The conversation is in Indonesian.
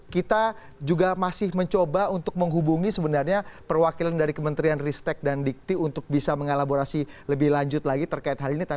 kita juga masih mencoba untuk menghubungi sebenarnya perwakilan dari kementerian ristek dan dikti untuk bisa mengelaborasi lebih lanjut lagi terkait hal ini